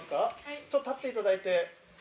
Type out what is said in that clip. ちょっと立っていただいて。